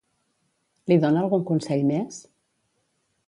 Li dona algun consell més?